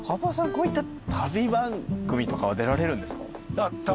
こういった旅番組とかは出られるんですか？